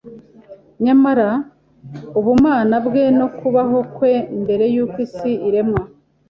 nyamara ubumana bwe no kubaho kwe mbere y’uko isi iremwa